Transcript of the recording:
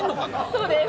そうです。